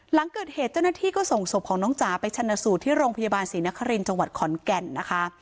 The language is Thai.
หลังเกิดเหตุเจ้าหน้าที่ก็ส่งศพของน้องจ๋าไปชนะสูตรที่โรงพยาบาลศรีนครินทร์จังหวัดขอนแก่นนะคะ